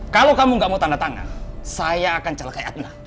kalau kamu nggak mau tanda tangan saya akan celaka akna